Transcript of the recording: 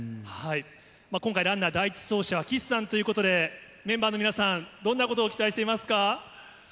今回、ランナー、第１走者は岸さんということで、メンバーの皆さん、どんなことを期待していますか？